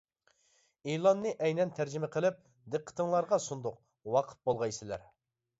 ئېلاننى ئەينەن تەرجىمە قىلىپ، دىققىتىڭلارغا سۇندۇق، ۋاقىپ بولغايسىلەر!